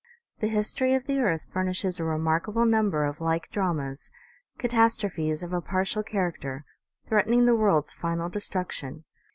The history of the earth furnishes a remarkable number of like dramas, catastrophes of a partial character, threat ening the world's final destruction.